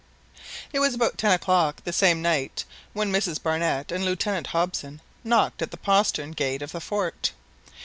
It was about ten o'clock the same night when Mrs Barnett and Lieutenant Hobson knocked at the postern gate of the fort.